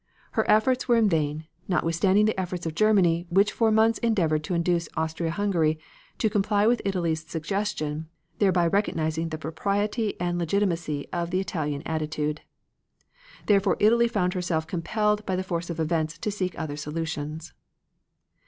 Her efforts were in vain, notwithstanding the efforts of Germany, which for months endeavored to induce Austria Hungary to comply with Italy's suggestion thereby recognizing the propriety and legitimacy of the Italian attitude. Therefore Italy found herself compelled by the force of events to seek other solutions.